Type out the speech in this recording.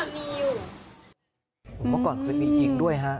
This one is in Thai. เมื่อก่อนเคยมียิงด้วยฮะ